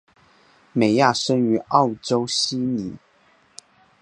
美亚生于澳洲悉尼。